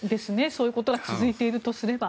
そういうことが続いているとすれば。